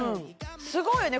すごいよね